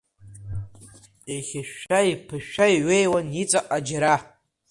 Еихьышәшәа-еиԥышәшәа иҩеиуан иҵаҟа џьара.